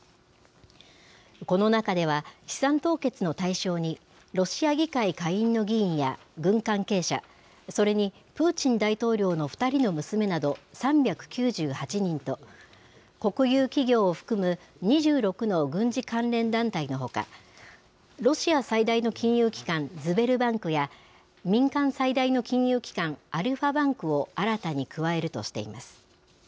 この中では、資産凍結の対象に、ロシア議会下院の議員や軍関係者、それにプーチン大統領の２人の娘など、３９８人と、国有企業を含む２６の軍事関連団体のほか、ロシア最大の金融機関、ズベルバンクや、民間最大の金融機関、アルファバンクを新たに加えるとしています。